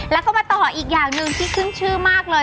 แล้วก็มาต่ออีกอย่างหนึ่งที่ขึ้นชื่อมากเลย